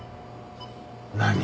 何！？